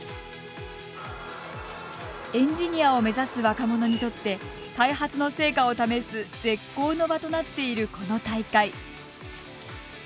エンジニアを目指す若者にとって開発の成果を試す絶好の場となっている、この大会。